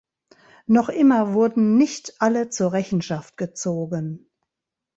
Noch immer wurden nicht alle zur Rechenschaft gezogen.